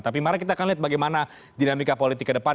tapi mari kita akan lihat bagaimana dinamika politik ke depan